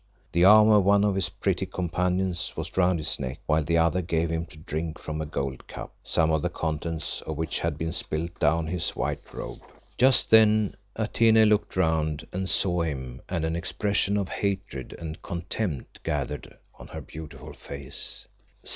The arm of one of his pretty companions was round his neck, while the other gave him to drink from a gold cup; some of the contents of which had been spilt down his white robe. Just then Atene looked round and saw him and an expression of hatred and contempt gathered on her beautiful face.